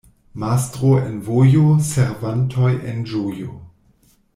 Mastro en vojo — servantoj en ĝojo.